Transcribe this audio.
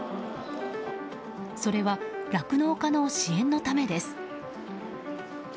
それは酪農家の支援のためです。